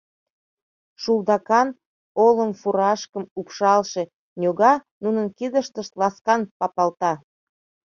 Шулдакан олым фуражкым упшалше ньога нунын кидыштышт ласкан папалта.